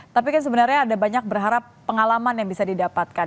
tapi kan sebenarnya ada banyak berharap pengalaman yang bisa didapatkan